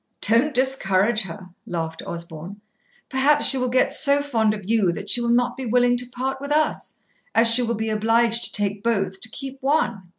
"Don't discourage her," laughed Osborn. "Perhaps she will get so fond of you that she will not be willing to part with us, as she will be obliged to take both to keep one."